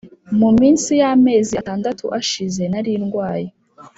muminsi yamezi atandatu ashize narirwaye